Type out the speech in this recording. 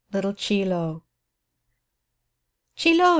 LITTLE CHIE LO "CHIE LO!